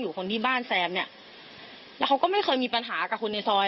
คนที่บ้านแซมเนี่ยแล้วเขาก็ไม่เคยมีปัญหากับคนในซอย